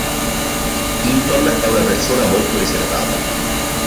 Hinton è una persona molto riservata.